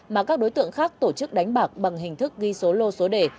mà các đối tượng khác tổ chức đánh bạc bằng hình thức ghi số lô số đề